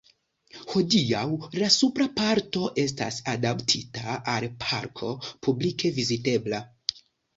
Hodiaŭ la supra parto estas adaptita al parko publike vizitebla.